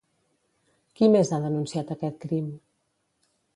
Qui més ha denunciat aquest crim?